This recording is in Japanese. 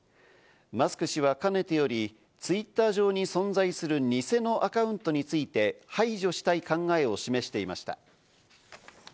マスク氏はかねてより、ツイッター上に存在する偽のアカウントについて排除したい考えを示していました。